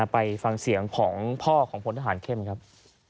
ไปฟังเสียงของพ่อของพลทหารเข้มครับ